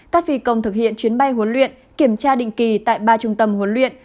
các phi công thực hiện chuyến bay huấn luyện kiểm tra định kỳ tại ba trung tâm huấn luyện